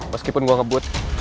meskipun gue ngebut